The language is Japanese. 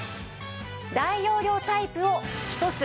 大容量タイプを１つ。